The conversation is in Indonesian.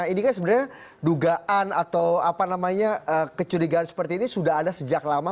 ini kan sebenarnya dugaan atau apa namanya kecurigaan seperti ini sudah ada sejak lama